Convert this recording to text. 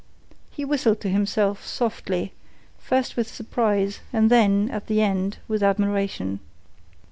He whistled to himself, softly, first with surprise, and then, at the end, with admiration.